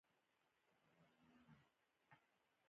وادي د افغانستان د اقتصادي منابعو ارزښت زیاتوي.